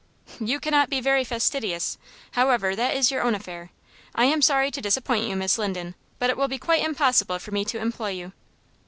"You cannot be very fastidious. However, that is your own affair. I am sorry to disappoint you, Miss Linden, but it will be quite impossible for me to employ you."